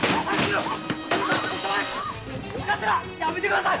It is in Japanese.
お頭やめてください！